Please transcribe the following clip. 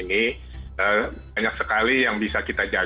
banyak sekali yang bisa kita jaga banyak sekali yang bisa kita transliterasi